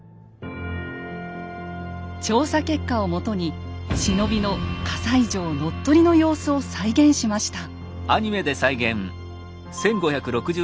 調査結果をもとに忍びの西城乗っ取りの様子を再現しました。